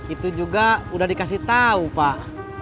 itu juga udah dikasih tau pak